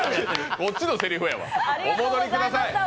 こっちのせりふやわ、お戻りください。